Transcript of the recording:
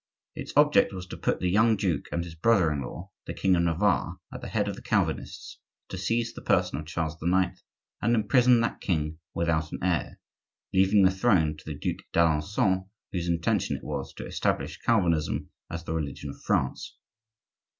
Its object was to put the young duke and his brother in law, the king of Navarre, at the head of the Calvinists, to seize the person of Charles IX., and imprison that king without an heir,—leaving the throne to the Duc d'Alencon, whose intention it was to establish Calvinism as the religion of France.